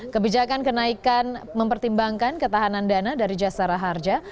kebijakan kenaikan mempertimbangkan ketahanan dana dari jasa raharja